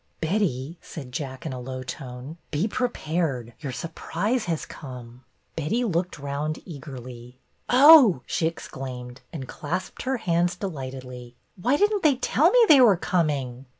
Betty," said Jack, in a low tone, be pre pared. Your surprise has come." Betty looked round eagerly. 324 BETTY BAIRD'S VENTURES Oh !" she exclaimed, and she clasped her hands delightedly. '' Why did n't they tell me they were coming?"